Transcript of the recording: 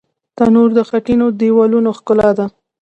تنور د خټینو دیوالونو ښکلا ده